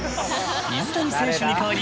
水谷選手に代わり。